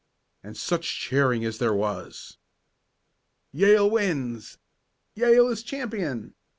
And such cheering as there was! "Yale wins!" "Yale is champion!"